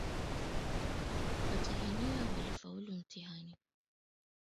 Kimeta husababishwa na chembechembe ya bakteria ambayo inaweza kuishi katika udongo kwa kipindi kirefu